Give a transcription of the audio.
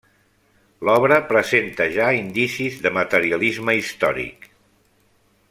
L'obra presenta ja indicis de materialisme històric.